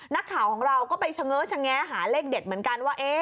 นักข่าวของเราก็ไปเฉง้อชะแง้หาเลขเด็ดเหมือนกันว่า